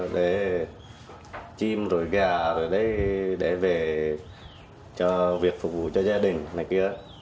để chim rồi gà rồi đấy để về cho việc phục vụ cho gia đình này kia